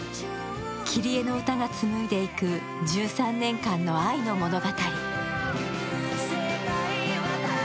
キリエの歌が紡いでいく１３年間の愛の物語。